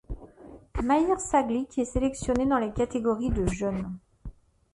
Mahir Sağlık est sélectionné dans les catégories de jeunes.